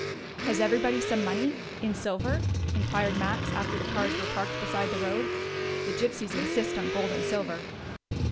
"Has everybody some money in silver?" inquired Max, after the cars were parked beside the road. "The gypsies insist on gold and silver."